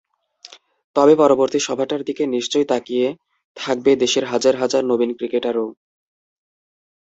তবে পরবর্তী সভাটার দিকে নিশ্চয়ই তাকিয়ে থাকবে দেশের হাজার হাজার নবীন ক্রিকেটারও।